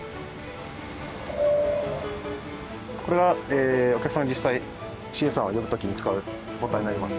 これはお客様が実際ＣＡさんを呼ぶ時に使うボタンになります。